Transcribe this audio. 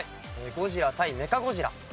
『ゴジラ×メカゴジラ』。